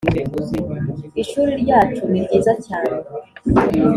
ishuri ryacu ni ryiza cyane.